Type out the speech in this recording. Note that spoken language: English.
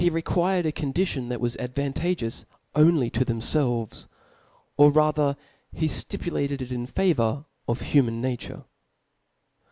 required a condition th^t was advantageous only fo j^^^^' themfelves, pr rather he ftipulatpd in favour of Art. lis. huQian nature.